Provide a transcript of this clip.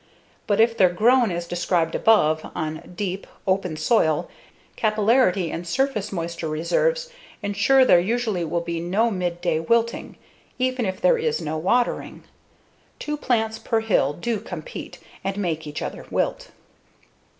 But if they've grown as described above, on deep, open soil, capillarity and surface moisture reserves ensure there usually will be no midday wilting, even if there is no watering. Two plants per hill do compete and make each other wilt.